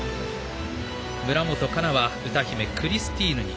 村元哉中は歌姫クリスティーヌに。